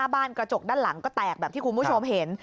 กระจกด้านหลังก็แตกแบบที่คุณผู้ชมเห็น